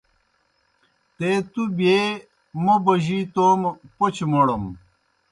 تے تُوْ بیے موْ بوجِی تومہ پوْچہ موڑَم۔